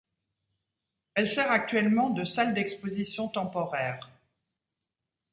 Elle sert actuellement de salle d'exposition temporaire.